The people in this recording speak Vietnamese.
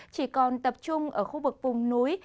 chỉ còn tập trung ở khu vực vùng núi